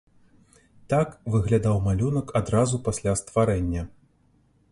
Так выглядаў малюнак адразу пасля стварэння.